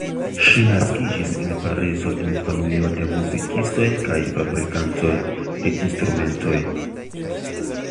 Ŝi naskiĝis en Parizo en familio de muzikistoj kaj fabrikantoj de instrumentoj.